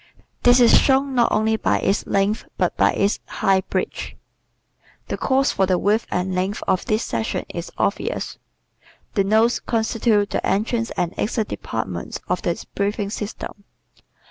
This is shown not only by its length but by its high bridge. [Illustration: 4 Typical Thoracic face] The cause for the width and length of this section is obvious. The nose constitutes the entrance and exit departments of the breathing system.